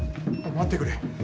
待ってくれ。